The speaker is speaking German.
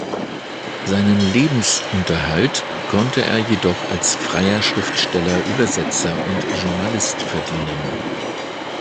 Seinen Lebensunterhalt konnte er jedoch als freier Schriftsteller, Übersetzer und Journalist verdienen.